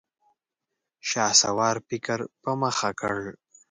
شهسوار فکر په مخه کړ.